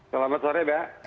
selamat sore mbak